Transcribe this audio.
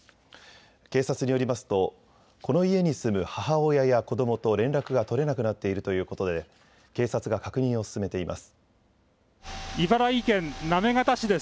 警察によりますとこの家に住む母親や子どもと連絡が取れなくなっているということで警察が確認を進めています。